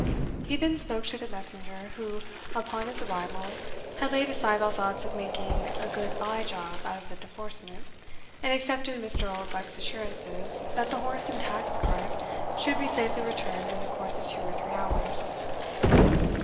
He then spoke to the messenger, who, upon his arrival, had laid aside all thoughts of making a good by job out of the deforcement, and accepted Mr. Oldbuck's assurances that the horse and taxed cart should be safely returned in the course of two or three hours.